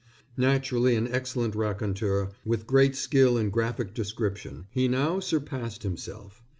Naturally an excellent raconteur, with great skill in graphic description, he now surpassed himself.